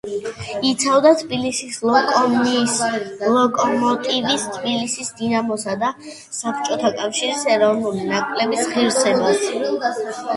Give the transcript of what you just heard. იცავდა თბილისის „ლოკომოტივის“, თბილისის „დინამოსა“ და საბჭოთა კავშირის ეროვნული ნაკრების ღირსებას.